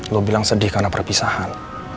lo bilang sedih karena perpisahan